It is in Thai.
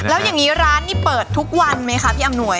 แล้วอย่างนี้ร้านนี่เปิดทุกวันไหมคะพี่อำนวย